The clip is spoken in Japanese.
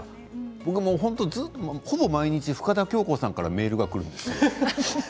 僕も、ほぼ毎日深田恭子さんからメールがくるんですよ。